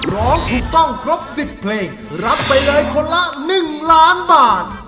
ร้องถูกต้องครบ๑๐เพลงรับไปเลยคนละ๑ล้านบาท